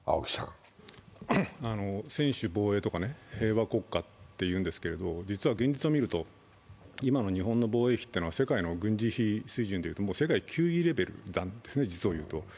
専守防衛とか平和国家と言うんですけど、実は現実を見ると今の日本の防衛費というのは世界の軍事費水準で世界９位レベルなんですね、実を言うと。